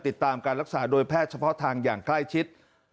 ติดตามการรักษาโดยแพทย์เฉพาะทางอย่างใกล้ชิด